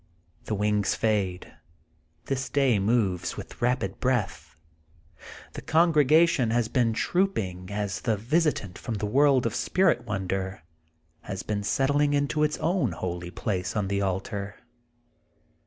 The wings fade. This day moves with rapid breath. The congregation has been trooping in as the visi tant from the world of spirit wonder has been settling into its own holy place on the altar.